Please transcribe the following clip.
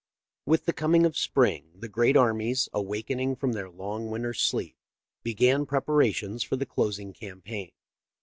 With the coming of spring the great armies, awakening from their long winter's sleep, began preparations for the closing campaign.